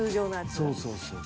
そうそうそう。